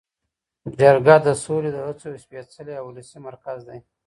جرګه د سولې د هڅو یو سپیڅلی او ولسي مرکز دی.